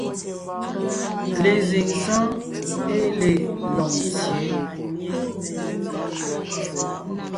Lezíŋ sɔ́ɔn ée le Lôŋtsyě,